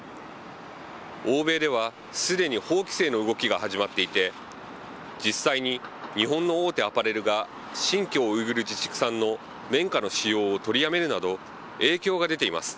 欧米ではすでに法規制の動きが始まっていて、実際に日本の大手アパレルが、新疆ウイグル自治区産の綿花の使用を取りやめるなど、影響が出ています。